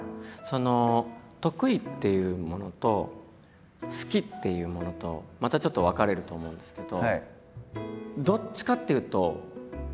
得意っていうものと好きっていうものとまたちょっと分かれると思うんですけど。